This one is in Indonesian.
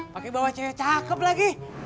pakai bawa cewek cakep lagi